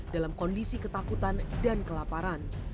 dalam kondisi ketakutan dan kelaparan